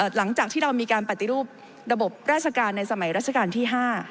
หลังจากที่เรามีการปฏิรูประบบราชการในสมัยราชการที่๕